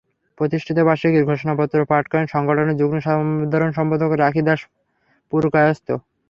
প্রতিষ্ঠাবার্ষিকীর ঘোষণাপত্র পাঠ করেন সংগঠনের যুগ্ম সাধারণ সম্পাদক রাখী দাশ পুরকায়স্থ।